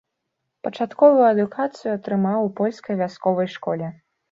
Пачатковую адукацыю атрымаў у польскай вясковай школе.